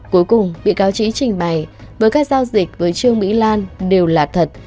cuối cùng bị cáo trí trình bày với các giao dịch với trương mỹ lan đều là thật